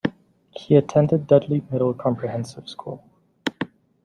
He attended Dudley Middle Comprehensive School.